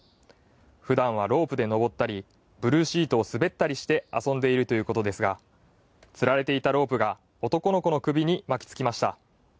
ふだんはロープで登ったりブルーシートを滑ったりして遊んでいるそうですが、つられていたロープが男の子の首に巻きつきました。